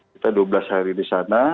kita dua belas hari di sana